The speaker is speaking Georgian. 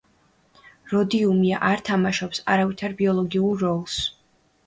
როდიუმი არ თამაშობს არავითარ ბიოლოგიურ როლს.